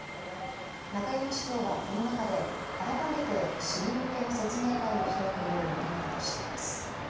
中山市長は、この中で改めて市民向けの説明会を開くよう求めたとしています。